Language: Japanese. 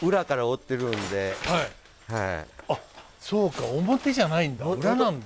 あっそうか表じゃないんだ。